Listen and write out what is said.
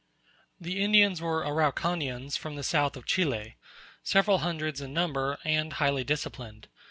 The Indians were Araucanians from the south of Chile; several hundreds in number, and highly disciplined.